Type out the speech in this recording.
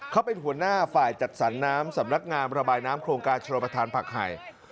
เขาเป็นหัวหน้าฝ่ายจัดสรรน้ำสำนักงามระบายน้ำโครงการชนประธานผักไห่